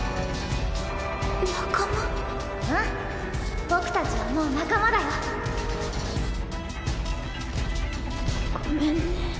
仲間うん僕たちはもう仲間だよごめんね。